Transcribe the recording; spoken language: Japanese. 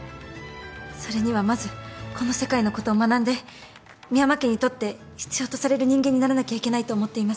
それにはまずこの世界のことを学んで深山家にとって必要とされる人間にならなきゃいけないと思っています。